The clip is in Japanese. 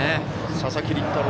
佐々木麟太郎